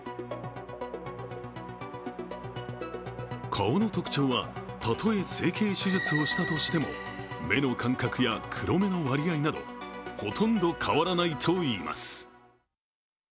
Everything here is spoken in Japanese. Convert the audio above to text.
顔の特徴は、たとえ整形手術をしたとしても目の間隔や黒目の割合などほとんど変わらないといいます。